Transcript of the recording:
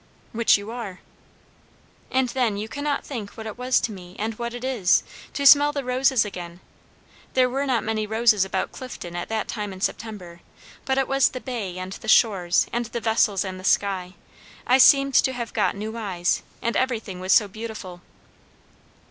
"Which you are." "And then you cannot think what it was to me, and what it is, to smell the roses again. There were not many roses about Clifton at that time in September; but it was the bay, and the shores, and the vessels, and the sky. I seemed to have got new eyes, and everything was so beautiful."